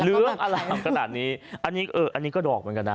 เหลืองอะไรขนาดนี้อันนี้ก็ดอกเหมือนกันนะ